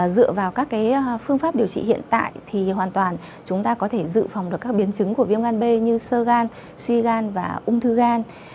dựa vào các phương pháp điều trị hiện tại thì hoàn toàn chúng ta có thể dự phòng được các biến chứng của viêm gan b như sơ gan suy gan và ung thư gan